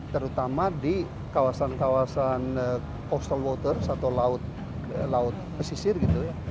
terutama di kawasan kawasan coastal waters atau laut pesisir gitu ya